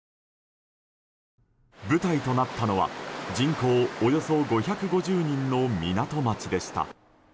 舞台となったのは人口およそ５５０人の港町でした。